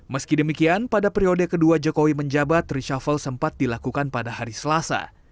meski demikian pada periode kedua jokowi menjabat reshuffle sempat dilakukan pada hari selasa